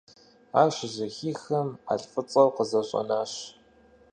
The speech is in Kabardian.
Ар щызэхихым, Ӏэлфӏыцӏэу къызэщӏэнащ.